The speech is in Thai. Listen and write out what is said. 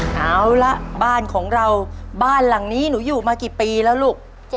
เอาละบ้านของเราบ้านหลังนี้หนูอยู่มากี่ปีแล้วลูก